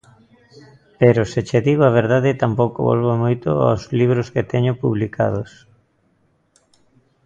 Pero, se che digo a verdade, tampouco volvo moito aos libros que teño publicados.